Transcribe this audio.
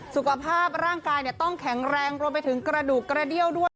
สุขภาพร่างกายต้องแข็งแรงรวมไปถึงกระดูกกระเดี้ยวด้วย